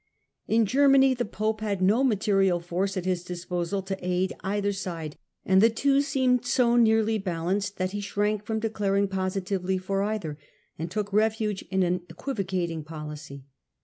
In Germany the pope had no material force at his disposal to aid either side, and the two seemed so nearly balanced that he shrank from declaring positively for either, and took refuge in an equivocating policy.